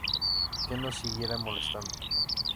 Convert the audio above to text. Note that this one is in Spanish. Que no siguiera molestando.